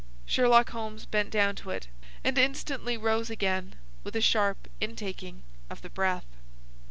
Sherlock Holmes bent down to it, and instantly rose again with a sharp intaking of the breath.